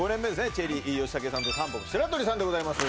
チェリー吉武さんとたんぽぽ白鳥さんでございます